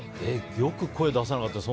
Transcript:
よく声出さなかったね。